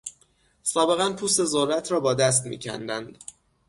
سابقا پوست ذرت را با دست میکندند.